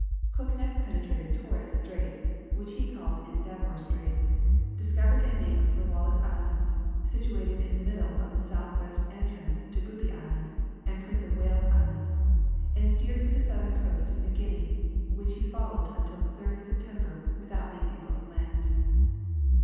Cook next penetrated Torres Strait, which he called Endeavour Strait, discovered and named the Wallis Islands, situated in the middle of the south west entrance to Booby Island, and Prince of Wales Island, and steered for the southern coast of New Guinea, which he followed until the 3rd of September without being able to land.